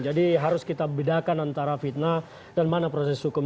jadi harus kita bedakan antara fitnah dan mana proses hukum